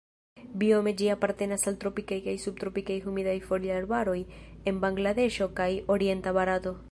Biome ĝi apartenas al tropikaj kaj subtropikaj humidaj foliarbaroj de Bangladeŝo kaj orienta Barato.